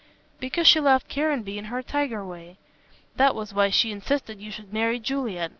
"Because she loved Caranby in her tiger way. That was why she insisted you should marry Juliet.